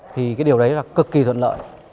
thì cái điều đấy là cực kỳ thuận lợi